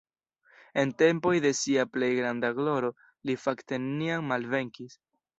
En tempoj de sia plej granda gloro li fakte neniam malvenkis.